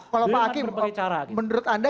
kalau pak hakim menurut anda